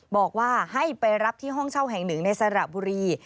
บอกว่าให้ไปรับที่ห้องเช่าแห่งหนึ่งในสระบุรี